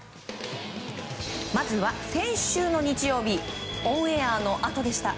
まずは先週の日曜日オンエアのあとでした。